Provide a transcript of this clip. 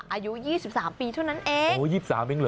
อายุ๒๓ปีเท่านั้นเอง